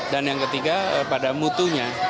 dan yang ketiga pada mutunya